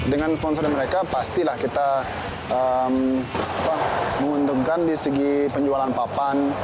dengan sponsor mereka pastilah kita menguntungkan di segi penjualan papan